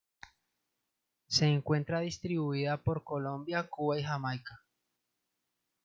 Se encuentra distribuida por Colombia, Cuba y Jamaica.